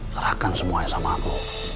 serahkan semuanya sama aku